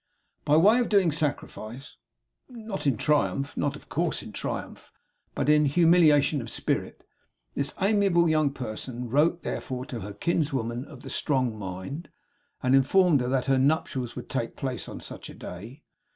By way of doing sacrifice not in triumph; not, of course, in triumph, but in humiliation of spirit this amiable young person wrote, therefore, to her kinswoman of the strong mind, and informed her that her nuptials would take place on such a day.